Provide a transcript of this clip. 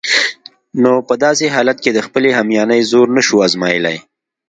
نو په داسې حالت کې د خپلې همیانۍ زور نشو آزمایلای.